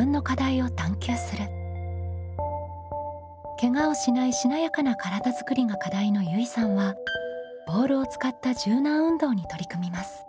「ケガをしないしなやかな体づくり」が課題のゆいさんはボールを使った柔軟運動に取り組みます。